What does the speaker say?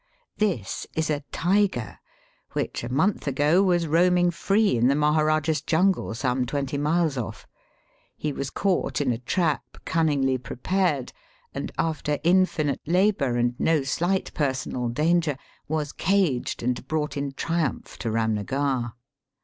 This is a tiger, which a month ago was roaming free in the Maharajah's jungle some twenty miles off. He was caught in a trap cunningly prepared, and after infinite labour and no slight personal danger was caged and brought in triumph to Eamnagar.